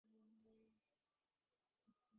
ওর বয়স কম।